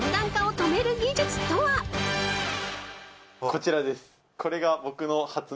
こちらです。